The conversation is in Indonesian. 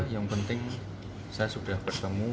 yang penting saya sudah bertemu